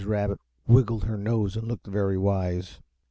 Rabbit wiggled her nose and looked very wise.